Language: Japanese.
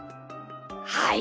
はい。